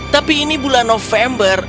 tapi ini bulan november